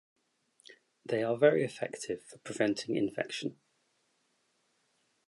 They are very effective for preventing infection.